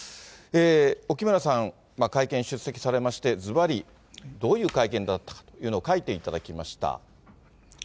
沖村さん、会見出席されまして、ずばり、どういう会見だったかというのを書いていただきました。